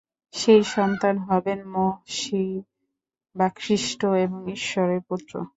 সেই সন্তান হবেন মশীহ বা খ্রীষ্ট এবং ঈশ্বরের পুত্র।